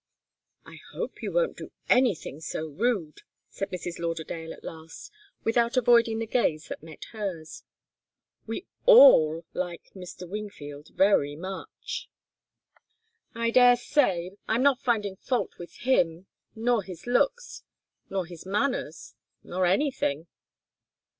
"I hope you won't do anything so rude," said Mrs. Lauderdale at last, without avoiding the gaze that met hers. "We all like Mr. Wingfield very much." "I daresay. I'm not finding fault with him, nor his looks, nor his manners, nor anything."